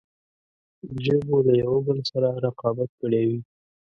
ژبو له یوه بل سره رقابت کړی وي.